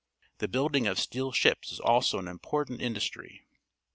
The building of s teeLsblBg is also an important industry.